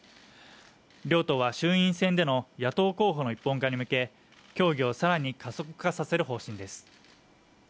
両党は衆院選での野党候補の一本化に向け、協議を更に加速させる方針です。